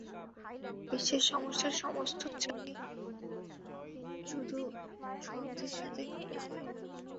বিশ্বের সমস্যার সমস্ত চাবি শুধু শব্দের সাথেই খুলে যায়।